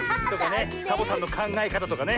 サボさんのかんがえかたとかね。